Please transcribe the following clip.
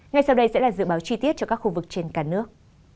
ngay sau đây sẽ là dự báo chi tiết cho các khu vực trên cả nước